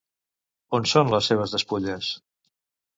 On són les seves despulles?